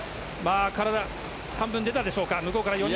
体半分出たでしょうか。